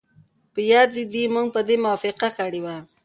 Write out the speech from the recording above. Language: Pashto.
په یاد دي موږ په دې موافقه کړې وه